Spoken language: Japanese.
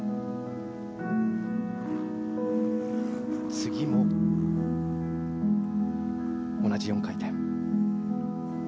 次も同じ４回転。